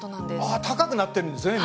あ高くなってるんですね